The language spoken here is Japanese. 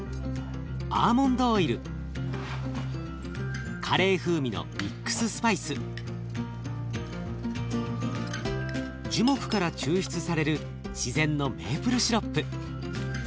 アーモンドオイルカレー風味のミックススパイス樹木から抽出される自然のメープルシロップ。